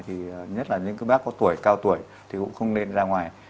thì nhất là những cái bác có tuổi cao tuổi thì cũng không nên ra ngoài